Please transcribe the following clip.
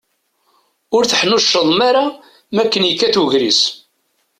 Ur teḥnuccḍem ara makken yekkat ugris.